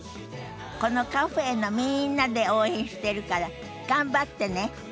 このカフェのみんなで応援してるから頑張ってね。